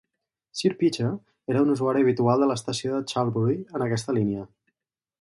Sir Peter era un usuari habitual de l'estació de Charlbury en aquesta línia.